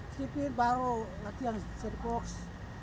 stripping baru latihan seri boks